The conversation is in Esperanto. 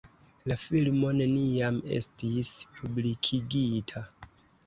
La filmo neniam estis publikigita.